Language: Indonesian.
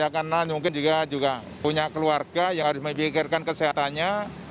karena mungkin juga punya keluarga yang harus memikirkan kesehatannya